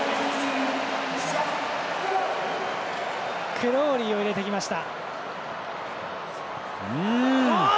クロウリーを入れてきました。